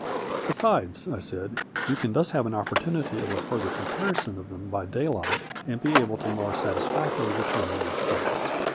" Besides," I said, " you can thus have an opportunity of a further comparison of them by daylight, and be able to more satisfactorily determine your choice."